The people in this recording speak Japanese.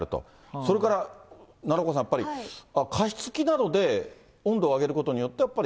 それから奈良岡さん、やっぱり、加湿器などで温度を上げることによって、やっぱり。